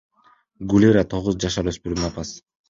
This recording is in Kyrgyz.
Гулира — тогуз жашар өспүрүмүн апасы.